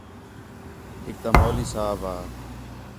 ہِک تا مَولی صاحب ہا